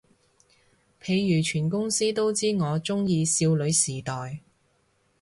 譬如全公司都知我鍾意少女時代